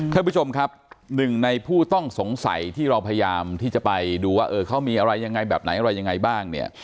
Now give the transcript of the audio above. ท่านผู้ชมครับหนึ่งในผู้ต้องสงสัยที่เราพยายามที่จะไปดูว่าเออเขามีอะไรยังไงแบบไหนอะไรยังไงบ้างเนี่ย